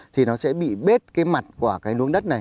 thì nó sẽ bị bết cái mặt của cái nuống đất này